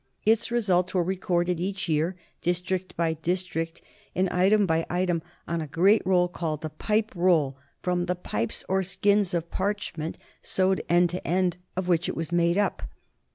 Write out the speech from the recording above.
Its results were recorded each year, district by district and item by item, on a great roll, called the pipe roll from the pipes, or skins of parchment sewed end to end, of which it was made up.